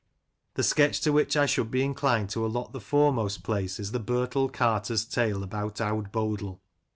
The sketch to which I should be inclined to allot the foremost place is " The Birtle Carter's Tale about Owd Bodle."